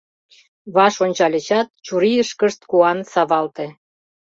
Ваш ончальычат, чурийышкышт куан савалте.